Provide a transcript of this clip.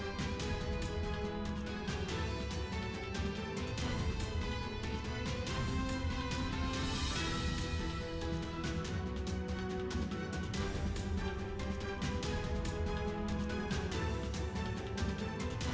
untuk membaikkan bakteria